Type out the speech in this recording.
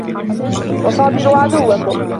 وَصَابِرُوا عَدُوَّكُمْ